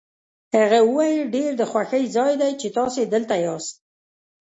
هغه وویل ډېر د خوښۍ ځای دی چې تاسي دلته یاست.